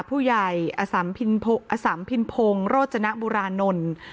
ผู้ใหญ่อสัมพินพงอสัมพินพงโรจนะบุรานนท์